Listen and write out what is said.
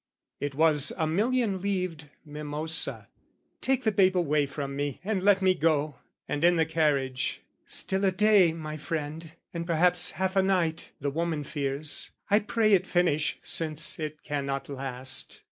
(It was a million leaved mimosa.) "Take "The babe away from me and let me go!" And in the carriage, "Still a day, my friend; "And perhaps half a night, the woman fears. "I pray it finish since it cannot last.